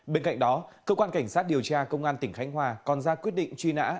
bên cạnh đó cơ quan cảnh sát điều tra công an tỉnh khánh hòa còn ra quyết định truy nã